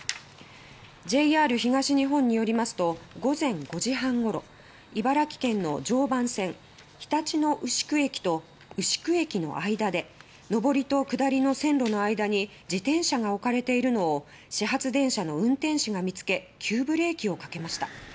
ＪＲ東日本によりますと午前５時半頃茨城県の常磐線「ひたち野うしく駅」と「牛久駅」の間で上りと下りの線路の間に自転車が置かれているのを始発電車の運転士が見つけ急ブレーキをかけました。